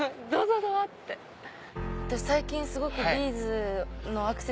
私最近すごく。